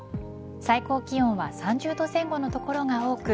最高気温は３０度前後の所が多く